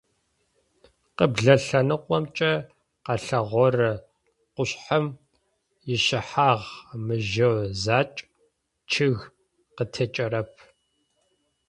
Къыблэ лъэныкъомкӏэ къэлъэгъорэ къушъхьэм ышъхьагъ мыжъо закӏ, чъыг къытекӏэрэп.